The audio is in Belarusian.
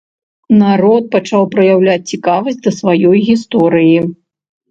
Народ пачаў праяўляць цікавасць да сваёй гісторыі.